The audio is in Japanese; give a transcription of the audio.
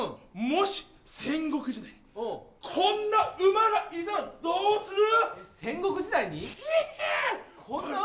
もし戦国時代、こんな馬がいたらどうする？